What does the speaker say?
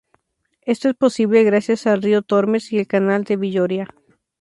Esto es posible gracias al río Tormes y el Canal de Villoria.